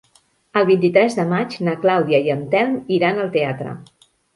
El vint-i-tres de maig na Clàudia i en Telm iran al teatre.